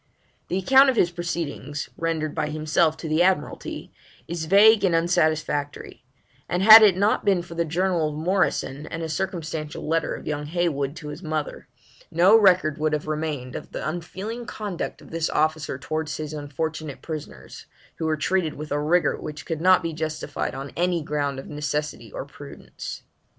The account of his proceedings, rendered by himself to the Admiralty, is vague and unsatisfactory; and had it not been for the journal of Morrison, and a circumstantial letter of young Heywood to his mother, no record would have remained of the unfeeling conduct of this officer towards his unfortunate prisoners, who were treated with a rigour which could not be justified on any ground of necessity or prudence.